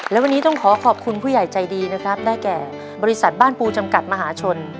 และวันนี้ต้องขอขอบคุณผู้ใหญ่ใจดีนะครับได้แก่บริษัทบ้านปูจำกัดมหาชน